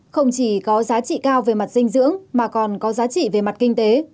không chỉ có giá trị cao về mặt dinh dưỡng mà còn có giá trị về mặt kinh tế